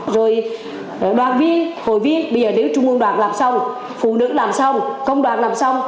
rồi đoàn viên hội viên bây giờ nếu trung ương đoàn làm xong phụ nữ làm xong công đoàn làm xong